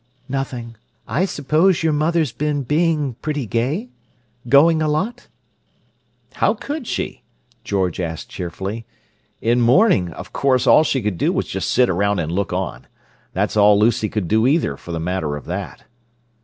"Nothing. I suppose your mother's been being pretty gay? Going a lot?" "How could she?" George asked cheerfully. "In mourning, of course all she could do was just sit around and look on. That's all Lucy could do either, for the matter of that."